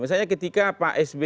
misalnya ketika pak sbe